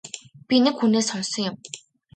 Би нэг хүнээс сонссон юм.